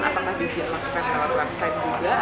apakah dihiaskan lewat website juga